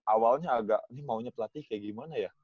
awalnya agak nih maunya pelatih kayak gimana ya